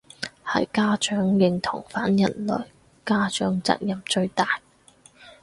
係家長認同反人類，家長責任最大